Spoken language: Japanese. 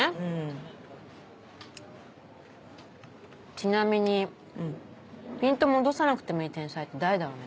ちなみにピント戻さなくてもいい天才って誰だろうね。